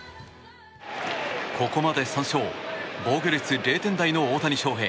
ここまで３勝防御率０点台の大谷翔平。